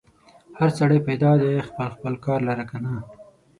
هر سړی پیدا دی خپل خپل کار لره کنه.